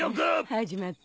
始まった。